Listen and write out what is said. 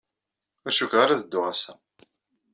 Ur cikkeɣ ara ad dduɣ ass-a.